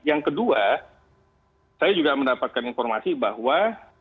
yang kedua saya juga mendapatkan informasi bahwa